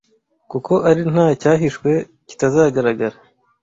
kuko ari nta cyahishwe kitazagaragara